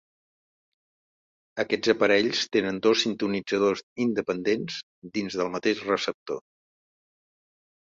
Aquests aparells tenen dos sintonitzadors independents dins del mateix receptor.